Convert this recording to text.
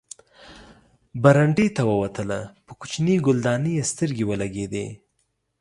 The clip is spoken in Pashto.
برنډې ته ووتله، په کوچنۍ ګلدانۍ یې سترګې ولګېدې.